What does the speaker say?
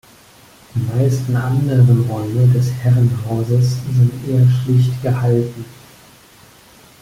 Die meisten anderen Räume des Herrenhauses sind eher schlicht gehalten.